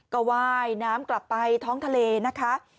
ก็ว่ายน้ำกลับไปท้องทะเลนะคะ